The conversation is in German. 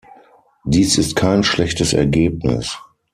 Dies ist kein schlechtes Ergebnis.